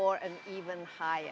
dan lebih tinggi